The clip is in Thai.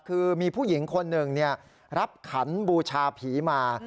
คือมีผู้หญิงคนหนึ่งรับขันบูชาผีมา